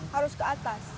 harus ke atas